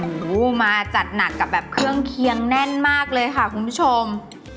โอ้โหมาจัดหนักกับแบบเครื่องเคียงแน่นมากเลยค่ะคุณผู้ชม